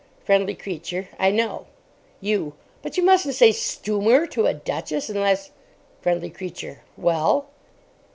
FRIENDLY CREATURE. I know. YOU. But you mustn't say "Stumer" to a duchess unless—— FRIENDLY CREATURE. Well?